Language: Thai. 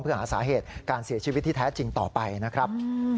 เพื่อหาสาเหตุการเสียชีวิตที่แท้จริงต่อไปนะครับ